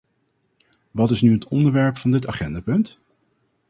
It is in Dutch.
Wat is nu het onderwerp van dit agendapunt?